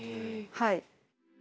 はい。